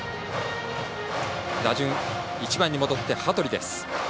打順、１番に戻って羽鳥。